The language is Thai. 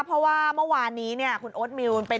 เพราะว่าเมื่อวานนี้เนี่ยคุณโอ๊ตมิว